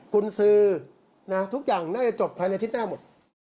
คุณซื้อทุกอย่างน่าจะจบภายในอาทิตย์หน้าหมด